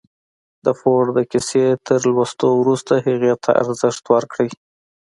د فورډ د کيسې تر لوستو وروسته هغې ته ارزښت ورکړئ.